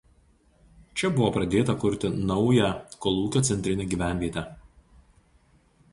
Čia buvo pradėta kurti naują kolūkio centrinę gyvenvietę.